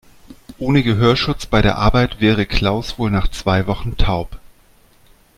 Ohne Gehörschutz bei der Arbeit wäre Klaus wohl nach zwei Wochen taub.